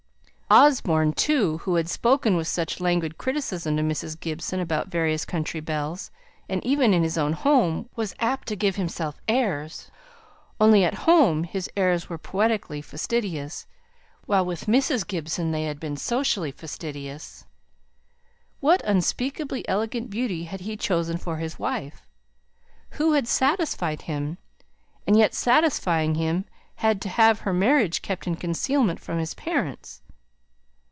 Osborne, too, who had spoken with such languid criticism to Mrs. Gibson about various country belles, and even in his own home was apt to give himself airs only at home his airs were poetically fastidious, while with Mrs. Gibson they had been socially fastidious what unspeakably elegant beauty had he chosen for his wife? Who had satisfied him; and yet satisfying him, had to have her marriage kept in concealment from his parents?